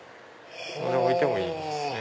置いてもいいですしね。